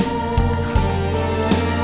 lu udah ngapain